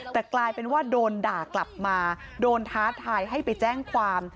แต่กลายเป็นว่าโดนด่ากลับมาโดนท้าทายให้ไปแจ้งความ